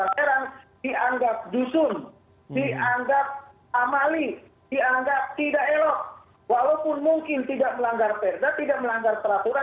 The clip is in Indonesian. sejak zaman kabur